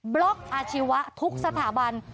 ล็อกอาชีวะทุกสถาบัน